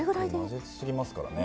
混ぜ過ぎますからね。